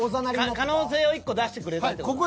可能性を１個出してくれたって事ね。